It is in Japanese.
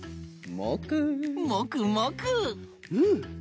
うん！